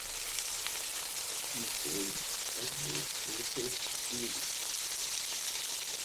She formed several little schools.